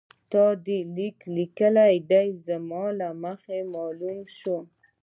تا لیک لیکلی دی باید د زمانې له مخې معلوم شي.